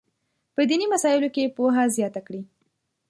په دیني مسایلو کې پوهه زیاته کړي.